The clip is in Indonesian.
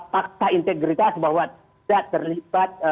fakta integritas bahwa tidak terlibat